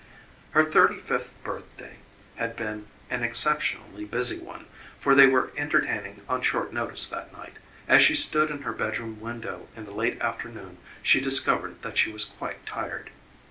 Her thirty fifth birthday had been an exceptionally busy one, for they were entertaining on short notice that night, as she stood in her bedroom window in the late afternoon she discovered that she was quite tired.